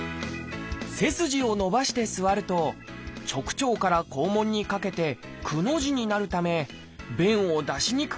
背筋を伸ばして座ると直腸から肛門にかけて「く」の字になるため便を出しにくくなるのです。